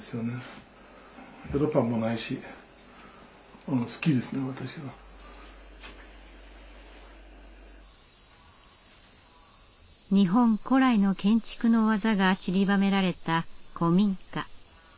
これは日本古来の建築の技がちりばめられた古民家。